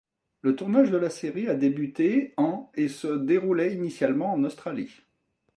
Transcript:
Le tournage de la série a débuté en et se déroulait initialement en Australie.